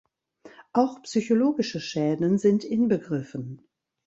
Auch psychologische Schäden sind inbegriffen.